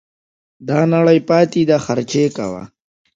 دا نړۍ پاته ده خرچې کوه